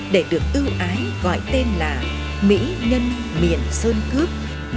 để được ưu ái gọi tên là mỹ nhân miền sơn cước